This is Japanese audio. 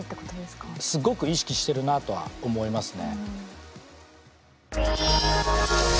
すごく意識してるなとは思いますね。